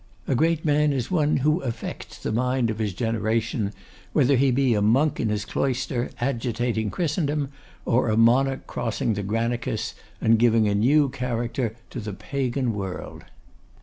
A great man is one who affects the mind of his generation: whether he be a monk in his cloister agitating Christendom, or a monarch crossing the Granicus, and giving a new character to the Pagan World.